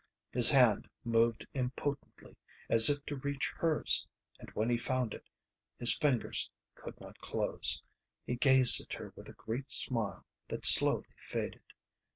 His hand moved impotently, as if to reach hers, and when he found it, his fingers could not close. He gazed at her with a great smile that slowly faded.